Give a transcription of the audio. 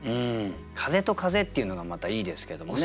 「風と風」っていうのがまたいいですけどもね。